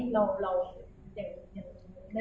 ไม่รู้สึกเป็นไร